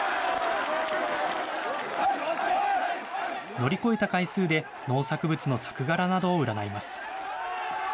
乗り越えた回数で、農作物の作柄などを占います。